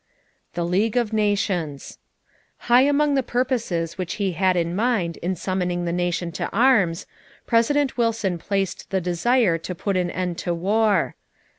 =The League of Nations.= High among the purposes which he had in mind in summoning the nation to arms, President Wilson placed the desire to put an end to war.